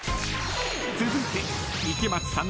［続いて］